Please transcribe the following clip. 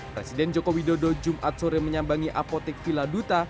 presiden joko widodo jumat sore menyambangi apotek villa duta